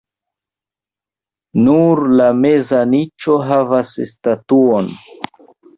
Nur la meza niĉo havas statuon.